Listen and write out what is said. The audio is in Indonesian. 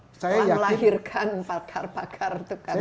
melahirkan pakar pakar itu kan